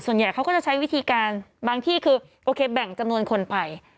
เขาก็จะใช้วิธีการบางที่คือโอเคแบ่งจำนวนคนไป